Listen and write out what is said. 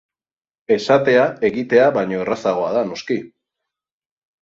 Esatea egitea baino errazagoa da, noski.